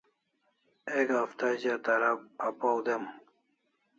Ek hafta za tara apaw dem